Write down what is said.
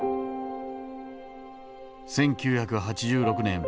１９８６年